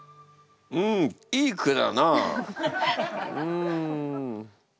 うんいい句だな。